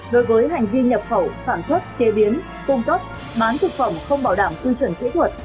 đối với hành vi nhập khẩu sản xuất chế biến cung cấp bán thực phẩm không bảo đảm quy chuẩn kỹ thuật